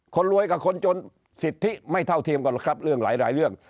คนรวยกับคนจนสิทธิไม่เท่าเทียมกันหรอกครับเรื่องหลายเรื่อง